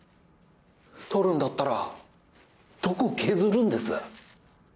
撮るんだったらどこ削るんです？